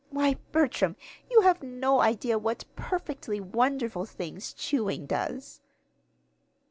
Why, Bertram, you have no idea what perfectly wonderful things chewing does."